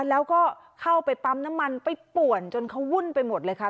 แล้วก็เข้าไปปั๊มน้ำมันไปป่วนจนเขาวุ่นไปหมดเลยค่ะ